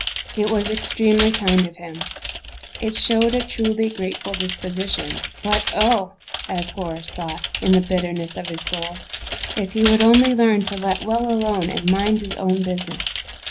It was extremely kind of him; it showed a truly grateful disposition "but, oh!" as Horace thought, in the bitterness of his soul, "if he would only learn to let well alone and mind his own business!"